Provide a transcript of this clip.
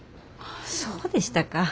そうでしたか。